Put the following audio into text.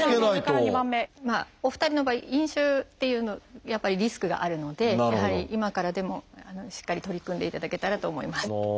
お二人の場合「飲酒」っていうのやっぱりリスクがあるのでやはり今からでもしっかり取り組んでいただけたらと思います。